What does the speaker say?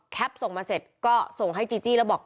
ส่งมาเสร็จก็ส่งให้จีจี้แล้วบอก